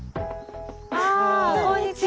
あこんにちは。